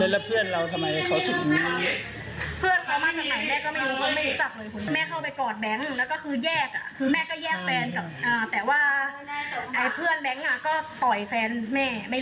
นะไปพาเขาเขาตกน้ำตกผ้า